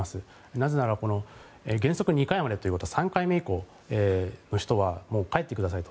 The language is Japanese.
なぜなら原則２回までということは３回目以降の人は帰ってくださいと。